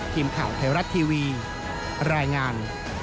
ทีมข่าวไทยรัฐทีวีรายงาน